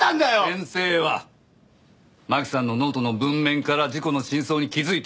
先生は真希さんのノートの文面から事故の真相に気づいた。